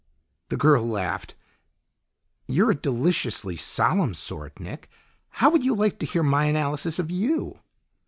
The girl laughed. "You're a deliciously solemn sort, Nick. How would you like to hear my analysis of you?"